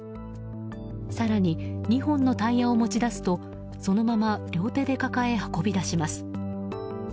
更に２本のタイヤを持ち出すとそのまま両手で抱え運び出します。